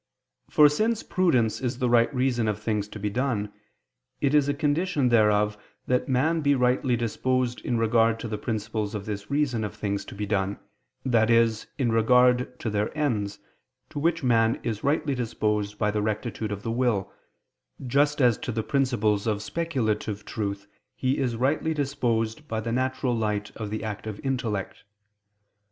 For since prudence is the right reason of things to be done, it is a condition thereof that man be rightly disposed in regard to the principles of this reason of things to be done, that is in regard to their ends, to which man is rightly disposed by the rectitude of the will, just as to the principles of speculative truth he is rightly disposed by the natural light of the active intellect.